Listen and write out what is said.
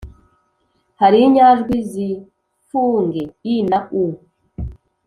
Hari inyajwi z’imfunge (i) na (u)